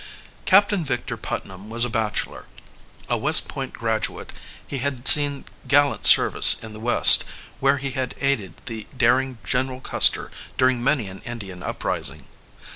Captain Victor Putnam was a bachelor. A West Point graduate, he had seen gallant service in the West, where he had aided the daring General Custer during many an Indian uprising.